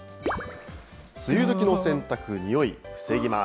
梅雨どきの洗濯、臭い防ぎます。